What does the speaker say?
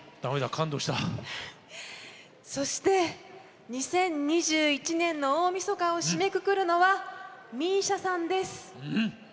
そして、２０２１年の大みそかを締めくくるのはＭＩＳＩＡさんです。